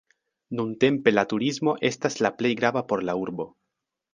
Nuntempe la turismo estas la plej grava por la urbo.